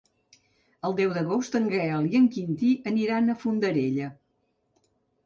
El deu d'agost en Gaël i en Quintí aniran a Fondarella.